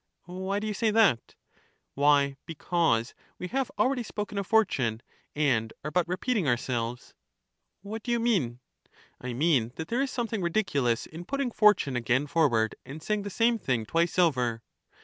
Why do you say that? Why, because we have already spoken of fortune, and are but repeating ourselves. What do you mean? I mean that there is something ridiculous in putting fortune again forward, and saying the same thing twice over.